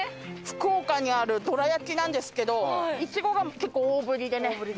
福岡にあるどら焼きなんですけどイチゴが結構大ぶりでね。